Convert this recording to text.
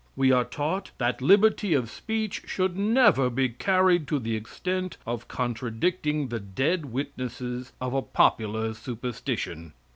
We are taught that liberty of speech should never be carried to the extent of contradicting the dead witnesses of a popular superstition.